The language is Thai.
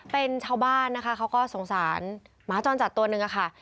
เป็นชาวบ้านนะคะเขาก็สงสารหมาจรจัดตัวหนึ่งค่ะ